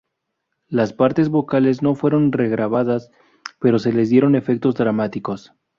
Las partes vocales no fueron regrabadas, pero se les dieron efectos dramáticas.